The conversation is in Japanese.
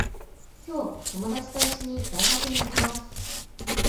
今日、ともだちといっしょに、大学に行きます。